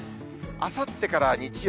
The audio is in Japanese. あさってから日曜。